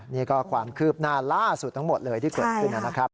นี่ก็ความคืบหน้าล่าสุดทั้งหมดเลยที่เกิดขึ้นนะครับ